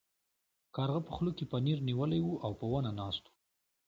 کارغه په خوله کې پنیر نیولی و او په ونه ناست و.